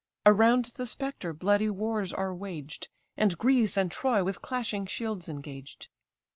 Around the spectre bloody wars are waged, And Greece and Troy with clashing shields engaged.